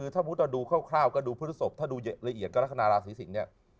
ถ้าบุตรต่อดูคร่าวก็ดูพืชทุกข์ถ้าดูละเอียดก็รักษณะราวสีสิงห์